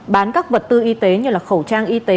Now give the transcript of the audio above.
bán các vật tư y tế như khẩu trang y tế